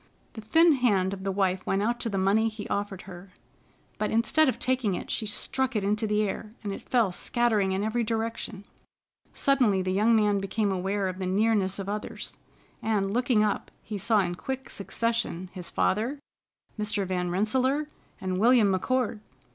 The thin hand of the wife went out to the money he offered her, but instead of taking it, she struck it into the air, and it fell scattering in every direction. Suddenly the young man became aware of the nearness of others, and, looking up, he saw in quick succession his father, Mr. Van Rensselaer, and William McCord!